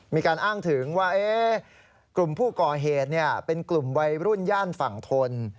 มีการอ้างถึงว่ากลุ่มผู้ก่อเหตุเป็นกลุ่มวัยรุ่นย่านฝั่งทน